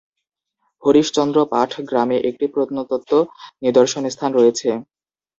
হরিশচন্দ্র পাঠ গ্রামে একটি প্রত্নতত্ত্ব নিদর্শন স্থান রয়েছে।